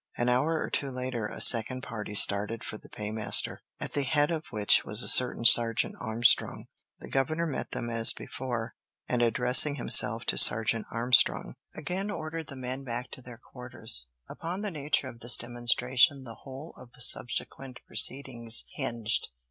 An hour or two later a second party started for the paymaster, at the head of which was a certain Sergeant Armstrong. The governor met them as before, and addressing himself to Sergeant Armstrong, again ordered the men back to their quarters. Upon the nature of this demonstration the whole of the subsequent proceedings hinged.